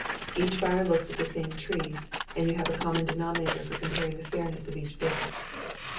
Each buyer looks at the same trees, and you have a common denominator for comparing the fairness of each bid.